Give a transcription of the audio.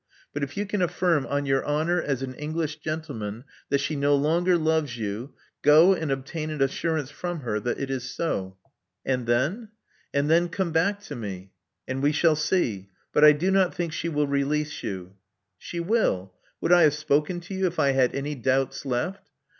But if you can 'affirm on your honor as an English gentleman that she no longer loves you, go and obtain an assurance from her that it is so." •. Love Among the Artists 209 Andthen?*' And then — Come back to me; and we shall see. But I do not think she will release you." She will. Would I have spoken to you if I had any doubts left?